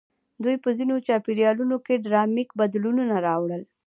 دوی په ځینو چاپېریالونو کې ډراماتیک بدلونونه راوړل.